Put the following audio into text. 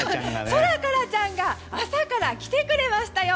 ソラカラちゃんが朝から来てくれましたよ！